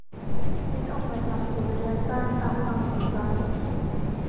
เน้นออกแบบหลักสูตรระยะสั้นตามความสนใจ